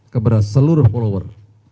kepada seluruh follower